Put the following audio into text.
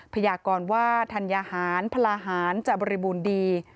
พยากรว่าธัญหารพลาหารจะบริบูรณ์ดี